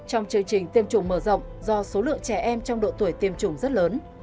trong chương trình tiêm chủng mở rộng do số lượng trẻ em trong độ tuổi tiêm chủng rất lớn